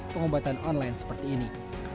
pengobatan online seperti ini